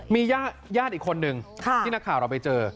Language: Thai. มีญาติอีกคนนึงที่นักข่าวเราไปเจอ